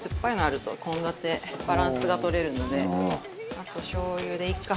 あとしょう油でいいか。